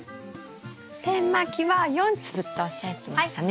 点まきは４粒っておっしゃってましたね。